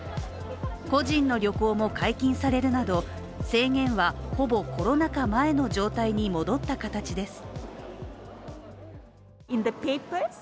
個人の旅行も解禁されるなど、制限はほぼコロナ禍前の状態に戻った形です。